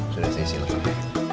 sudah saya isi lepas